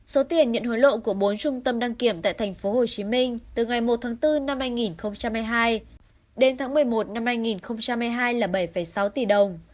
số tiền nhận hối lộ của bốn trung tâm đăng kiểm tại tp hcm từ ngày một tháng bốn năm hai nghìn hai mươi hai đến tháng một mươi một năm hai nghìn hai mươi hai là bảy sáu tỷ đồng